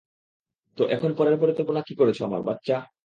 তো এখন পরের পরিকল্পনা কি করেছ, আমার বাচ্চা?